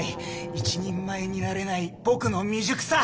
一人前になれない僕の未熟さ」。